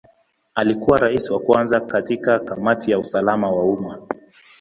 Alikuwa Rais wa kwanza katika Kamati ya usalama wa umma.